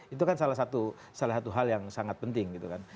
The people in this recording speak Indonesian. itu kan salah satu hal yang sangat penting gitu kan